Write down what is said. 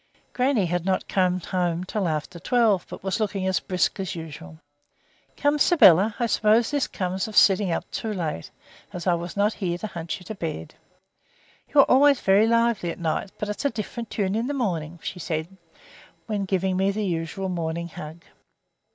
Grannie had not come home till after twelve, but was looking as brisk as usual. "Come, Sybylla, I suppose this comes of sitting up too late, as I was not here to hunt you to bed. You are always very lively at night, but it's a different tune in the morning," she said, when giving me the usual morning hug.